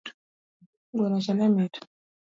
Gwenocha ne mit